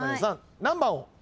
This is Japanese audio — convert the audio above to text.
何番を？